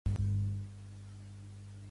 Pertany al moviment independentista l'Amanda?